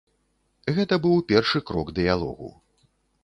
Гэта быў першы крок дыялогу.